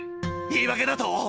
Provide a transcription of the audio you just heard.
言い訳だと。